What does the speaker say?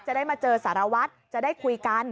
ได้มาเจอสารวัตรจะได้คุยกัน